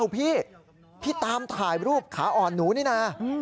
พี่พี่ตามถ่ายรูปขาอ่อนหนูนี่นะ